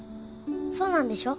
そうなんでしょ？